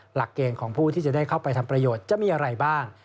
หลักเกณฑ์ของผู้ที่จะได้เข้าไปทำประโยชน์จะมีอะไรบ้าง